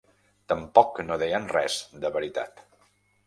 Tampoc no deien res de veritat.